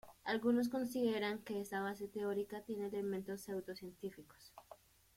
Algunos consideran que esta base teórica tiene elementos pseudo-científicos.